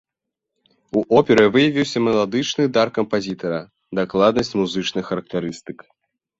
У оперы выявіўся меладычны дар кампазітара, дакладнасць музычных характарыстык.